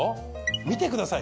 見てください。